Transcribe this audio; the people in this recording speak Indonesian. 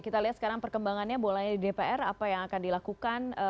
kita lihat sekarang perkembangannya bolanya di dpr apa yang akan dilakukan